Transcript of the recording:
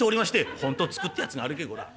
「『本当つく』ってやつがあるけえこら。